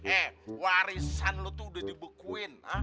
eh warisan lo tuh udah di bekuin